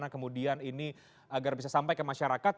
kemudian ini agar bisa sampai ke masyarakat